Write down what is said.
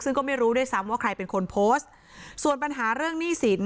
ซึ่งก็ไม่รู้ด้วยซ้ำว่าใครเป็นคนโพสต์ส่วนปัญหาเรื่องหนี้สิน